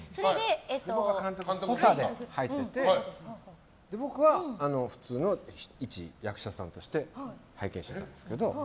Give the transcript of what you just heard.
僕が監督補佐で入ってて僕は、普通の一役者さんとして拝見してたんですけど。